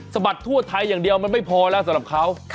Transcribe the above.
บัดทั่วไทยอย่างเดียวมันไม่พอแล้วสำหรับเขา